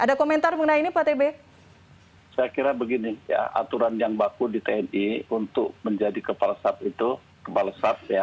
akhirnya begini aturan yang baku di tni untuk menjadi kepala sahab itu kepala sahab ya